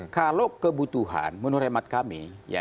kalau kebutuhan menurut hemat kami